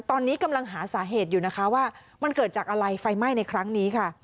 ตอนนี้กำลังหาสาเหตุอยู่นะคะว่ามันเกิดจากอะไรไฟไหม้ในครั้งนี้ค่ะ